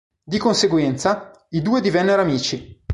Di conseguenza, i due divennero amici.